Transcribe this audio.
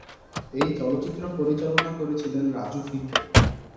এই চলচ্চিত্র পরিচালনা করেছিলেন রাজু ফির্কে।